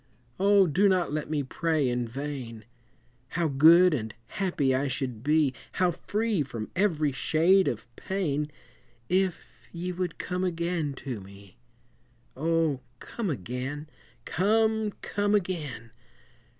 O! do not let me pray in vain How good and happy I should be, How free from every shade of pain, If ye would come again to me! O, come again! come, come again!